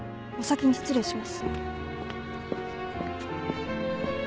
お先に失礼します。